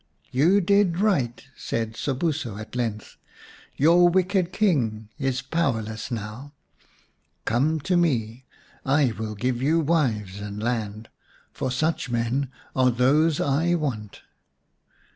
" You did right," said Sobuso at length. "Your wicked King is powerless now. Come to me ; I will give you wives and lands, for such men are those I want."